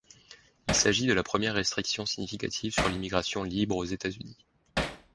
Il s'agit de la première restriction significative sur l'immigration libre aux États-Unis.